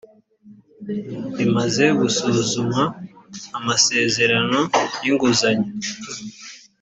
imaze gusuzuma amasezerano y inguzanyo